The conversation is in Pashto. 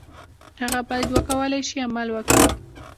هغه باید وکولای شي عمل وکړي.